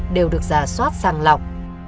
đều được giả soát sàng lọc